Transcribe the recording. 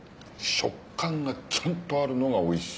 食感がちゃんとあるのがおいしい。